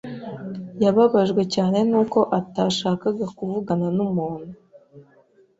Yababajwe cyane nuko atashakaga kuvugana numuntu.